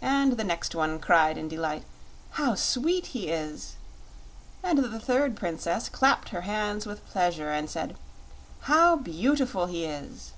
and the next one cried in delight: "How sweet he is!" and the third princess clapped her hands with pleasure and said, "How beautiful he is!"